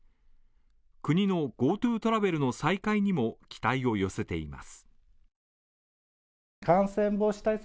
国のＧｏＴｏトラベルの再開にも期待を寄せています。